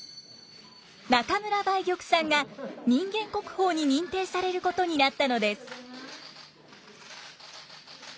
中村梅玉さんが人間国宝に認定されることになったのです。